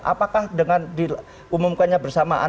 apakah dengan diumumkannya bersamaan